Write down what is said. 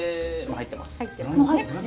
入ってますね。